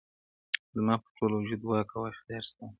زما پر ټوله وجود واک و اختیار ستا دی,